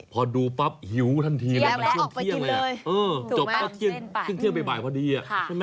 พอดูปั๊บหิวทันทีเลยมาเที่ยงเที่ยงเลยจบเที่ยงเที่ยงไปบ่ายพอดี